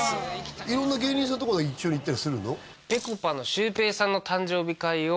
色んな芸人さんとか一緒に行ったりするの？